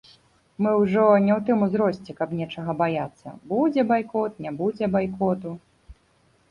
Мы ўжо не ў тым узросце, каб нечага баяцца, будзе байкот, не будзе байкоту.